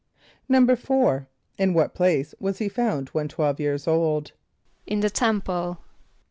= =4.= In what place was he found when twelve years old? =In the temple.